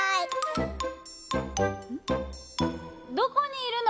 どこにいるの？